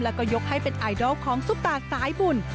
แล้วก็ยกให้เป็นไอดอลของซุปตาสายบุญ